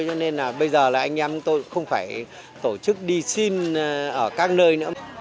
cho nên là bây giờ là anh em tôi không phải tổ chức đi xin ở các nơi nữa